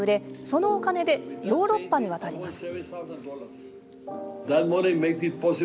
そのお金でヨーロッパに渡ります。